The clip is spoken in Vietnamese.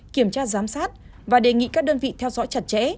kiểm tra giám sát và đề nghị các đơn vị theo dõi chặt chẽ